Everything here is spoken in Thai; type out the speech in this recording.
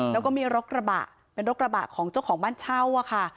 แล้วก็มีรถกระบะเป็นรถกระบะของเจ้าของบ้านเช่าอะค่ะ